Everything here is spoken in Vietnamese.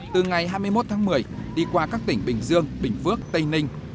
từ ngày hai mươi một tháng một mươi đi qua các tỉnh bình dương bình phước tây ninh